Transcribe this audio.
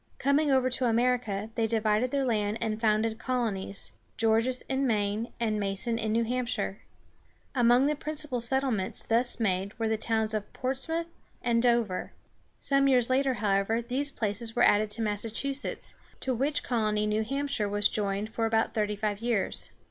Coming over to America, they divided their land and founded colonies, Gorges in Maine and Mason in New Hamp´shire. Among the principal settlements thus made were the towns of Ports´moŭth and Dover. Some years later, however, these places were added to Massachusetts, to which colony New Hampshire was joined for about thirty five years.